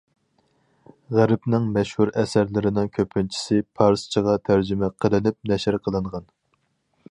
غەربنىڭ مەشھۇر ئەسەرلىرىنىڭ كۆپىنچىسى پارسچىغا تەرجىمە قىلىنىپ نەشر قىلىنغان.